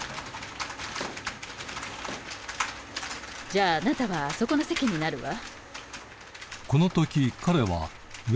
じゃああなたはあそこの席になるわ。